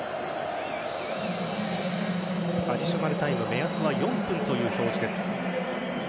アディショナルタイム目安は４分という表示です。